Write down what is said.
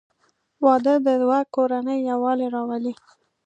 • واده د دوه کورنیو یووالی راولي.